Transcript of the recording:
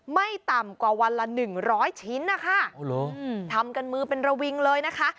ไม่ต่ำกว่าวันละหนึ่งร้อยชิ้นนะคะทำกันมือเป็นระวิงเลยนะคะ